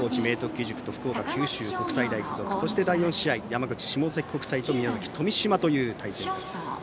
義塾と九州国際大付属そして、第４試合山口の下関国際と宮崎の富島という試合。